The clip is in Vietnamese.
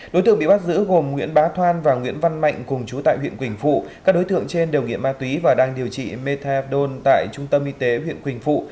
đối tượng bị bắt giữ gồm nguyễn bá thoan và nguyễn văn mạnh cùng chú tại huyện quỳnh phụ các đối tượng trên đều nghiện ma túy và đang điều trị methadone tại trung tâm y tế huyện quỳnh phụ